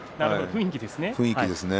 雰囲気ですね。